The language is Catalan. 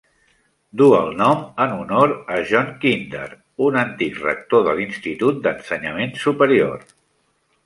Du el nom en honor a John Kinder, un antic rector de l'institut d'ensenyament superior.